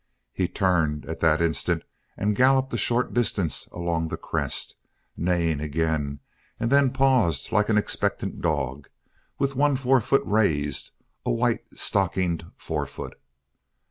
He turned, at that instant, and galloped a short distance along the crest, neighing again, and then paused like an expectant dog, with one forefoot raised, a white stockinged forefoot.